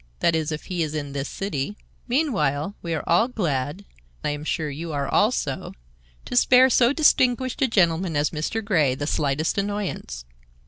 That is, if he is in this city. Meanwhile, we are all glad—I am sure you are also—to spare so distinguished a gentleman as Mr. Grey the slightest annoyance."